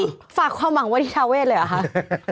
เราฝากความหวังว่าที่ภาเวทเลยหรอครับ